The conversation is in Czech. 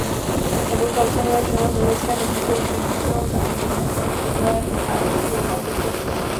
Tabulka obsahuje přehled letecké techniky ozbrojených sil Namibie podle Flightglobal.com.